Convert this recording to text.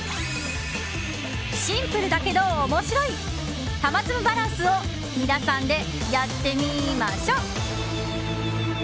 シンプルだけど面白いたまつむバランスを皆さんでやってみましょ！